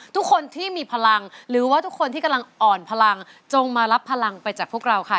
ทุกคนที่มีพลังหรือว่าทุกคนที่กำลังอ่อนพลังจงมารับพลังไปจากพวกเราค่ะ